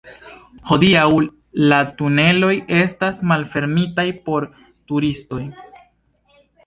Hodiaŭ, la tuneloj estas malfermitaj por turistoj.